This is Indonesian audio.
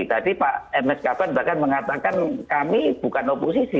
tadi pak mskf bahkan mengatakan kami bukan oposisi